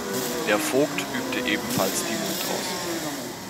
Der Vogt übte ebenfalls die Munt aus.